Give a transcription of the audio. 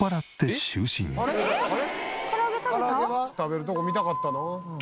「食べるとこ見たかったな」